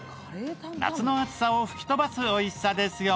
夏の暑さを吹き飛ばすおいしさですよ。